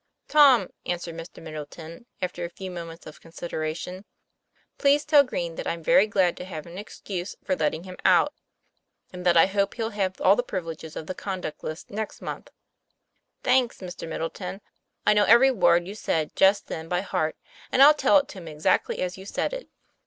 "Tom," answered Mr. Middleton, after a few moments of consideration, "please tell Green that I'm very glad to have an excuse for letting him out, and that I hope he'll have all the privileges of the conduct list next month." "Thanks, Mr. Middleton; I know every word you said just then by heart, and I'll tell it to him exactly as you said it."